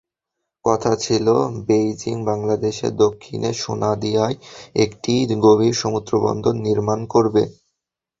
কথা ছিল, বেইজিং বাংলাদেশের দক্ষিণে সোনাদিয়ায় একটি গভীর সমুদ্রবন্দর নির্মাণ করবে।